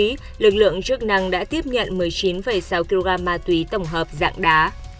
các lực lượng chức năng đã tiếp nhận một mươi chín sáu kg ma túy tổng hợp dạng đá